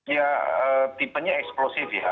ya tipenya eksklusif ya